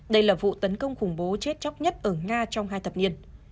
đây là vụ tấn công khủng bố chết chóc nhất ở nga trong hai thập niên